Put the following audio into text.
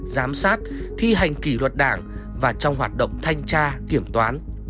giám sát thi hành kỷ luật đảng và trong hoạt động thanh tra kiểm toán